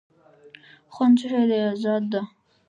خوند څه شی دی آزادي ده.